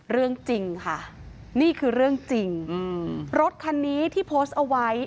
เรื่องจริงค่ะนี่คือเรื่องจริงรถคันนี้ที่โพสต์เอาไว้